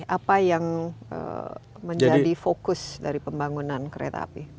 apa yang menjadi fokus dari pembangunan kereta api